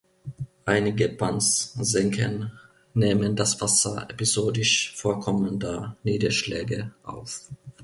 Einige Pans (Senken) nehmen das Wasser episodisch vorkommender Niederschläge auf.